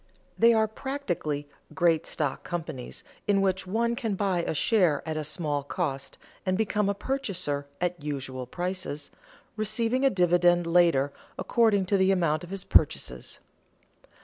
They are practically great stock companies in which one can buy a share at a small cost and become a purchaser at usual prices, receiving a dividend later according to the amount of his purchases.